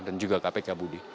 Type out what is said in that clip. dan juga kpk budi